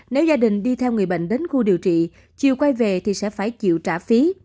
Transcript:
nếu gia đình đi theo người bệnh đến khu điều trị chiều quay về thì sẽ phải chịu trả phí